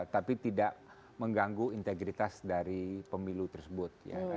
tapi tidak mengganggu integritas dari pemilu tersebut